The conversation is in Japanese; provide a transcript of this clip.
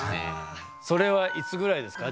それはいつぐらいですか？